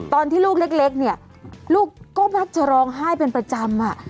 ตอนที่ลูกเล็กเนี่ยลูกก็มักจะร้องไห้เป็นประจำ